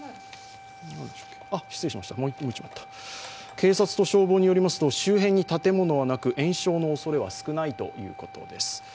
警察と消防によりますと、周辺に建物はなく延焼のおそれは少ないということです。